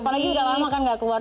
apalagi udah lama kan nggak keluar